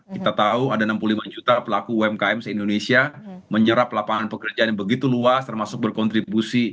kita tahu ada enam puluh lima juta pelaku umkm se indonesia menyerap lapangan pekerjaan yang begitu luas termasuk berkontribusi